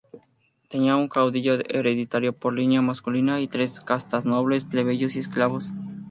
Tenían un caudillo hereditario por línea masculina y tres castas: nobles, plebeyos y esclavos.